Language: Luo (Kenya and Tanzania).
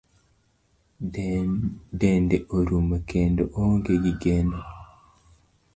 Dende orumo, kendo oonge gi geno.